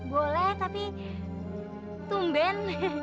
boleh tapi tumben